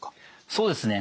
そうですね。